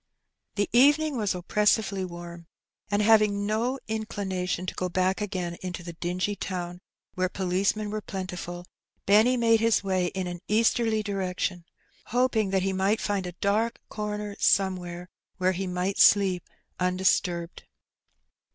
The evening was oppressively warm, and having no incli nation to go back again into the dingy town, where police Adrift. 207 men were plentiful, Benny made his way in an easterly direction, hoping that he might find a dark comer some where where he might sleep undisturbed.